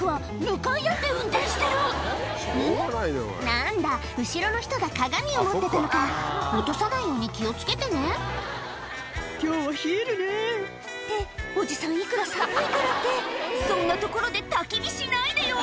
なんだ後ろの人が鏡を持ってたのか落とさないように気を付けてね「今日は冷えるねぇ」っておじさんいくら寒いからってそんな所でたき火しないでよ！